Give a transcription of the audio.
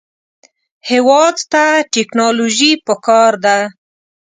هېواد ته ټیکنالوژي پکار ده